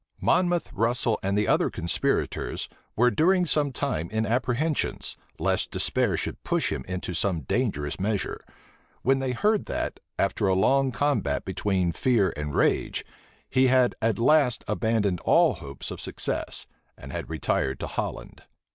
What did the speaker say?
Monmouth*[missing comma] Russel, and the other conspirators, were during some time in apprehensions lest despair should push him into some dangerous measure; when they heard that, after a long combat between fear and rage, he had at last abandoned all hopes of success, and had retired into Holland.